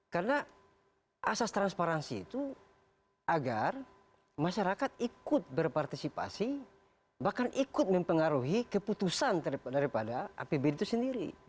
karena asas transparansi itu agar masyarakat ikut berpartisipasi bahkan ikut mempengaruhi keputusan daripada apbd